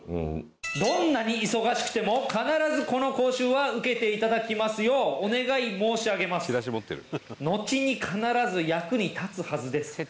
「どんなに忙しくても必ずこの講習は受けて頂きますようお願い申し上げます」「のちに必ず役に立つはずです」